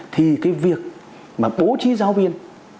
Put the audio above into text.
thì cái việc mà bố trí giáo viên